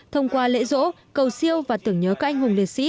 thông qua lễ rỗ cầu siêu và tưởng nhớ các anh hùng liệt sĩ